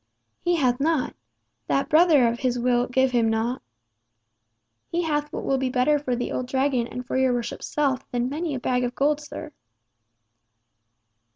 "He hath nought! That brother of his will give him nought." "He hath what will be better for the old Dragon and for your worship's self, than many a bag of gold, sir."